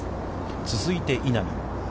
続いて、稲見。